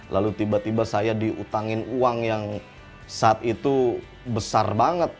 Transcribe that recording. lalu tiba tiba saya diutangin uang yang saat itu besar banget